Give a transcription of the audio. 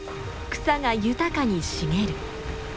草が豊かに茂る。